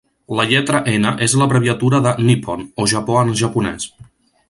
La lletra "N" és l'abreviatura de "Nippon", o Japó en japonès.